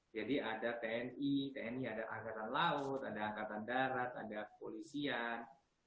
jadi ada tni tni ada angkatan laut ada angkatan darat ada polisian